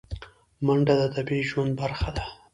منډه د طبیعي ژوند برخه ده